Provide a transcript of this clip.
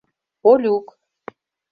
Олюк.